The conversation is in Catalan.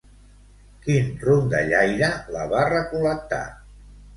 Quin rondallaire la va recol·lectar?